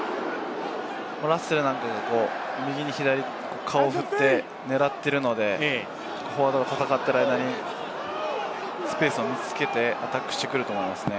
ラッセルなんか右に左に顔を振ってね、顔を振って狙っているので、ここで戦っている間にスペースを見つけてアタックしてくると思いますね。